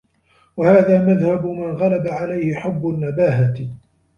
وَهَذَا مَذْهَبُ مَنْ غَلَبَ عَلَيْهِ حُبُّ النَّبَاهَةِ